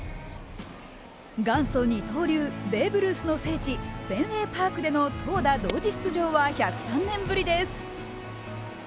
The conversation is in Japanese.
元祖二刀流ベーブ・ルースの聖地、フェンウェイ・パークでの投打同時出場は１０３年ぶりです。